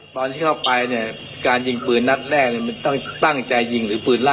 ตอนที่เข้าไปเนี่ยการยิงปืนนัดแรกมันตั้งใจยิงหรือปืนล่า